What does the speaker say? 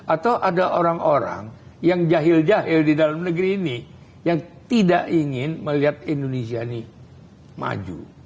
atau ada orang orang yang jahil jahil di dalam negeri ini yang tidak ingin melihat indonesia ini maju